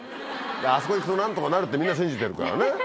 あそこ行くと何とかなるってみんな信じてるからね。